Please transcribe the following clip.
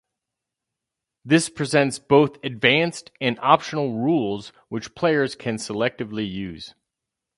This presents both advanced and optional rules which players can selectively use.